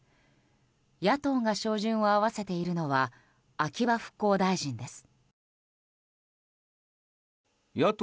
野党が照準を合わせているのは秋葉復興大臣です。